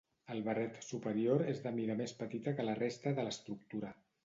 El barret superior és de mida més petita que la resta de l'estructura.